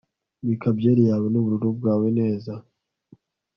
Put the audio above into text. Bika byeri yawe nubururu bwawe neza